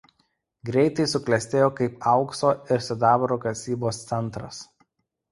Greitai suklestėjo kaip aukso ir sidabro kasybos centras.